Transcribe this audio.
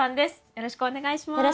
よろしくお願いします。